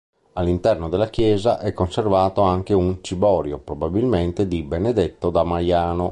All'interno della chiesa è conservato anche un ciborio, probabilmente di Benedetto da Maiano.